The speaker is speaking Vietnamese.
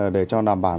để cho đảm bảo